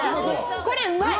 これ、うまい！